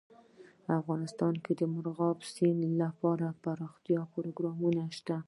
افغانستان کې د مورغاب سیند لپاره دپرمختیا پروګرامونه شته.